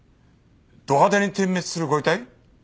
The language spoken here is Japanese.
ド派手に点滅するご遺体？